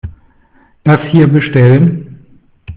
Das hier bestellen.